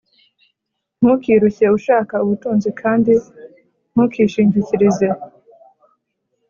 Ntukirushye ushaka ubutunzi kandi ntukishingikirize